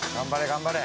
頑張れ！